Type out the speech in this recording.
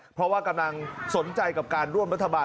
เพราะว่ากำลังสนใจกับการร่วมรัฐบาล